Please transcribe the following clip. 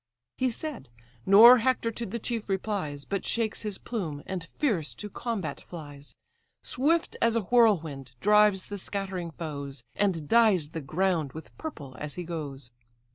He said, nor Hector to the chief replies, But shakes his plume, and fierce to combat flies; Swift as a whirlwind, drives the scattering foes; And dyes the ground with purple as he goes.